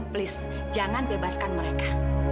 please jangan bebaskan mereka